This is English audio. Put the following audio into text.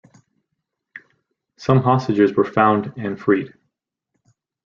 Some hostages were found and freed.